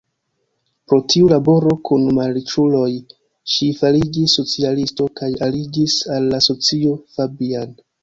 Pro tiu laboro kun malriĉuloj, ŝi fariĝis socialisto kaj aliĝis al la Socio Fabian.